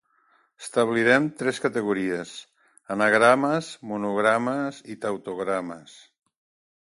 Establirem tres categories: anagrames, monogrames i tautogrames.